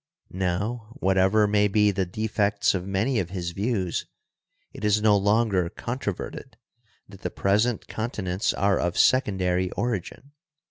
Now, whatever may be the defects of many of his views, it is no longer controverted that the present continents are of secondary origin.